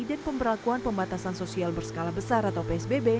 dan pemberlakuan pembatasan sosial berskala besar atau psbb